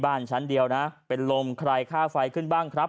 บ้านชั้นเดียวนะเป็นลมใครค่าไฟขึ้นบ้างครับ